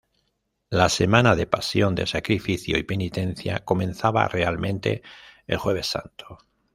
La Semana de Pasión de Sacrificio y Penitencia comenzaba realmente el Jueves Santo.